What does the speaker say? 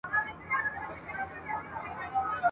جنازه مي ور اخیستې کندهار په سترګو وینم ..